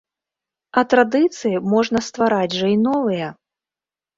А традыцыі можна ствараць жа і новыя.